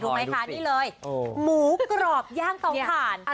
ดูไหมค่ะนี่เลยโอ้หมูกรอบย่างต่อผ่านเนี้ย